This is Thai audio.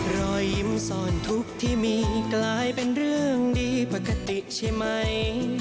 รอยยิ้มสอนทุกข์ที่มีกลายเป็นเรื่องดีปกติใช่ไหม